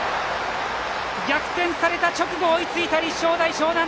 逆転された直後、追いついた立正大淞南！